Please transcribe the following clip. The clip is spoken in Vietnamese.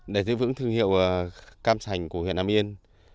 để giữ vững thương hiệu cam sành của huyện nam yên